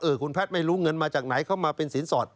คุณแพทย์ไม่รู้เงินมาจากไหนเข้ามาเป็นสินสอด